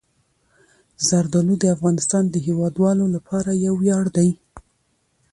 زردالو د افغانستان د هیوادوالو لپاره یو ویاړ دی.